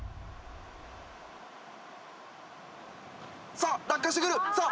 さあ落下してくるさあ